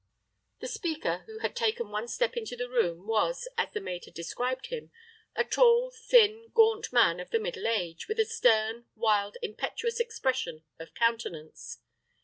The speaker, who had taken one step into the room, was, as the maid had described him, a tall, thin, gaunt man, of the middle age, with a stern, wild, impetuous expression of countenance.